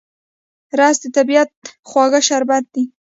رس د طبیعت خواږه شربت دی